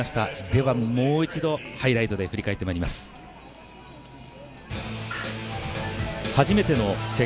ではもう一度、ハイライトで振り返ってまいりたいと思います。